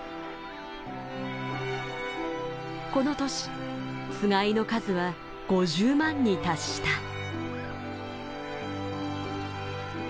この年つがいの数は５０万に達した。